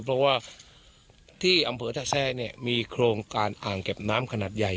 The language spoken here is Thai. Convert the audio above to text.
เพราะว่าที่อำเภอท่าแซ่เนี่ยมีโครงการอ่างเก็บน้ำขนาดใหญ่